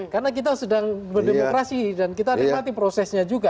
karena kita sedang berdemokrasi dan kita nikmati prosesnya juga